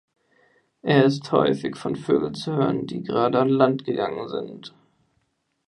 Er ist häufig von Vögeln zu hören, die gerade an Land gegangen sind.